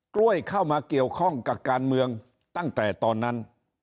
กล้วยเข้ามาเกี่ยวข้องกับการเมืองตั้งแต่ตอนนั้น